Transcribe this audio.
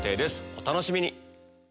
お楽しみに！